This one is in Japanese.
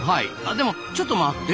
でもちょっと待って。